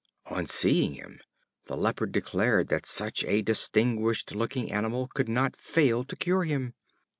On seeing him, the Leopard declared that such a distinguished looking animal could not fail to cure him.